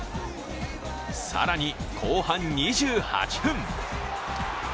更に後半２８分。